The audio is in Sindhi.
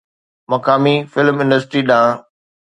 مقامي فلم انڊسٽري ڏانهن